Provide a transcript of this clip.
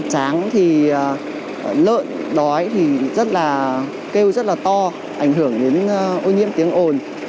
tráng thì lợn đói thì kêu rất là to ảnh hưởng đến ô nhiễm tiếng ồn